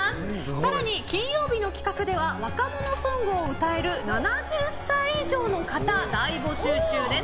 更に金曜日の企画では若者ソングを歌える７０歳以上の方を大募集中です。